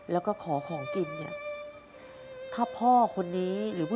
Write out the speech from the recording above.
แล้วก็ขอของกินนะครับ